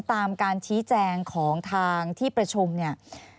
ตามการชี้แจงของทางที่ประชุมเนี่ย